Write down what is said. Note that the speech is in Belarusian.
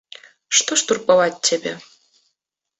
Што ж турбаваць цябе.